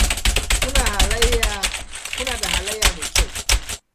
Kuna da halayya mai kyau.